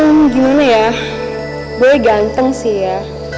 hmm gimana ya boleh ganteng sih ya